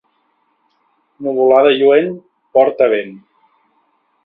Nuvolada lluent porta vent.